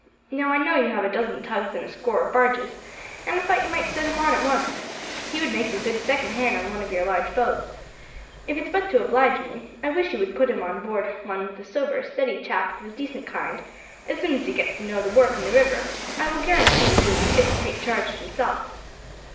Now I know you have a dozen tugs and a score of barges, and I thought you might set him on at once. He would make a good second hand on one of your large boats. If it's but to oblige me, I wish you would put him on board one with a sober, steady chap of a decent kind; as soon as he gets to know the work and the river, I will guarantee that he will be fit to take charge himself."